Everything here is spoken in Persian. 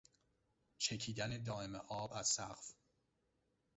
چکیدن دایم آب از سقف